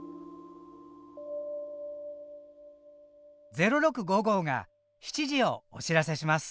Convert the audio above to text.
「０６５５」が７時をお知らせします。